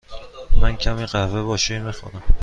من کمی قهوه با شیر می خورم.